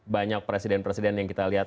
banyak presiden presiden yang kita lihat